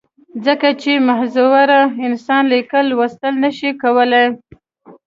ځکه چې معذوره انسان ليکل، لوستل نۀ شي کولی